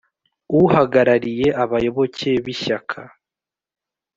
Uhagarariye abayoboke b’ Ishyaka